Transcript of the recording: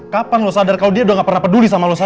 kapan lo sadar kalau dia udah gak pernah peduli sama lo sadar